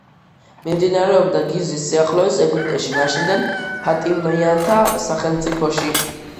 მიმდინარეობდა გიზის სიახლოვეს, ეგვიპტეში, მაშინდელ ფატიმიანთა სახალიფოში.